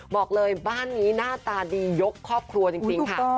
บอกเลยบ้านนี้หน้าตาดียกครอบครัวจริงค่ะ